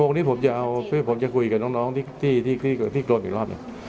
๑๑โมงนี้ผมจะเอาเพื่อผมจะคุยกับน้องที่ที่ที่กรมอีกรอบนี้